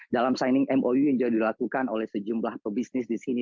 dalam signing mou yang juga dilakukan oleh sejumlah pebisnis di sini